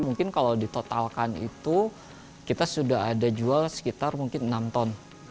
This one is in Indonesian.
mungkin kalau ditotalkan itu kita sudah ada jual sekitar mungkin enam ton